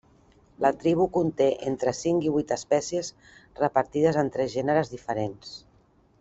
La tribu conté entre cinc i vuit espècies repartides en tres gèneres diferents.